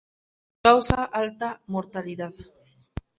Causa alta mortalidad.